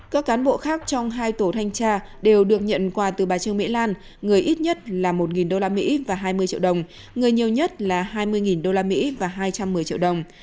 các cán bộ khác trong hai tổ thanh tra đều được nhận quà từ bà trương mỹ lan người ít nhất là một usd và hai mươi triệu đồng người nhiều nhất là hai mươi usd và hai trăm một mươi triệu đồng